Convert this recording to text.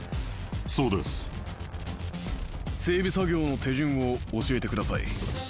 そうです整備作業の手順を教えてください